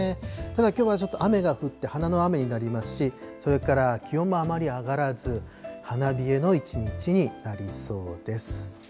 きょうはちょっと雨が降って、花の雨になりますし、それから気温もあまり上がらず、花冷えの一日になりそうです。